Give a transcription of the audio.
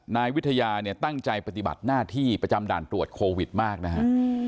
นายวิทยาเนี่ยตั้งใจปฏิบัติหน้าที่ประจำด่านตรวจโควิดมากนะฮะ